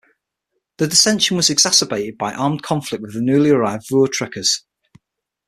Their dissension was exacerbated by armed conflict with the newly arrived Voortrekkers.